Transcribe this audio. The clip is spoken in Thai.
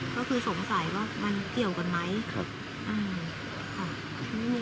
ก็คือสงสัยว่ามันเกี่ยวกันไหม